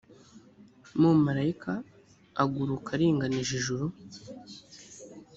mumarayika aguruka aringanije ijuru